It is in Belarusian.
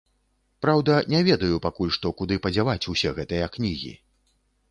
Праўда, не ведаю пакуль што, куды падзяваць усе гэтыя кнігі.